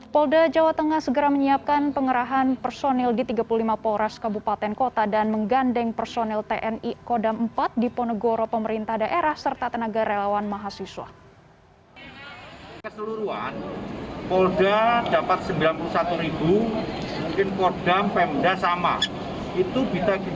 polda jawa tengah segera menyiapkan pengerahan personil di tiga puluh lima polras kabupaten kota dan menggandeng personil tni kodam iv di ponegoro pemerintah daerah serta tenaga relawan mahasiswa